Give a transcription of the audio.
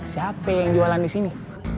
siapa yang jualan disini